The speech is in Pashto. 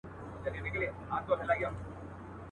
نن مي له زلمیو په دې خپلو غوږو واورېده.